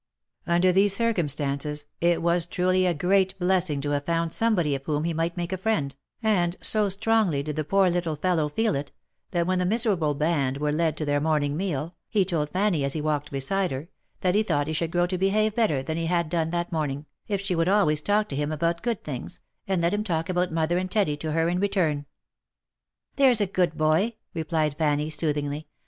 Under these circumstances, it was truly a great blessing to have found somebody of whom he might make a friend, and so strongly did the poor little fellow feel it, that when the miserable band were led to their morning meal, he told Fanny as he walked beside her, that he thought he should grow to behave better than he had done that morn ing, if she would always talk to him about good things, and let him talk about mother and Teddy to her in return. " There's a good boy !" replied Fanny, soothingly.